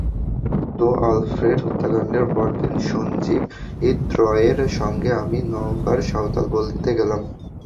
তো, আলফ্রেড হত্যাকাণ্ডের পরদিন সঞ্জীব দ্রংয়ের সঙ্গে আমি নওগাঁর সাঁওতালপল্লিতে গেলাম।